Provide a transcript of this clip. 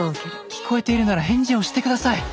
聞こえているなら返事をして下さい。